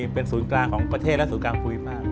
เป็นศูนย์กลางของประเทศและศูนย์กลางภูมิภาค